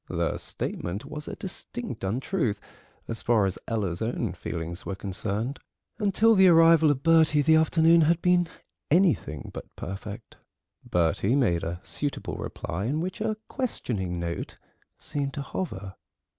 The statement was a distinct untruth as far as Ella's own feelings were concerned; until the arrival of Bertie the afternoon had been anything but perfect. Bertie made a suitable reply, in which a questioning note seemed to hover.